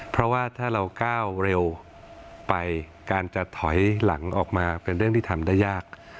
เพราะว่าถ้าเราก้าวเร็วไปการจะถอยหลังออกมาเป็นเรื่องที่ทำได้ยาก